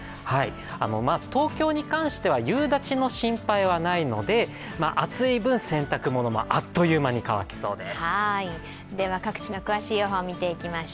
東京に関しては夕立の心配はないので、暑い分、洗濯物もあっという間に乾きそうです。